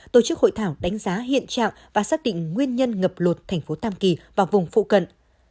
tổ chức hội thảo đánh giá hiện trạng và xác định nguyên nhân ngập lụt thành phố tam kỳ và vùng phụ cận